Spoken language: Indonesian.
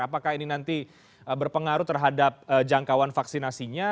apakah ini nanti berpengaruh terhadap jangkauan vaksinasinya